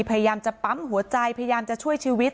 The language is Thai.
พยายามจะปั๊มหัวใจพยายามจะช่วยชีวิต